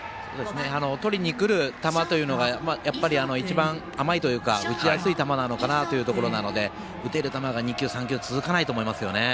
とりにくる球というのが一番甘いというか打ちやすい球なのかなと思うので打てる球が２球、３球続かないと思います。